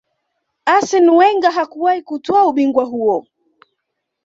Arsene Wenger hakuwahi kutwaa ubingwa huo